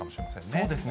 そうですね。